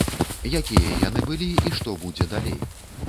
Якія яны былі і што будзе далей?